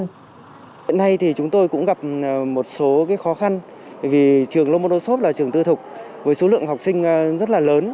hiện nay thì chúng tôi cũng gặp một số khó khăn vì trường lomondosov là trường tư thục với số lượng học sinh rất là lớn